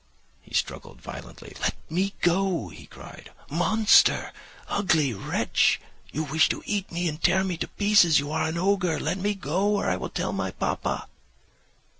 "He struggled violently. 'Let me go,' he cried; 'monster! Ugly wretch! You wish to eat me and tear me to pieces. You are an ogre. Let me go, or I will tell my papa.